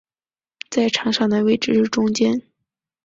在场上的位置是中坚。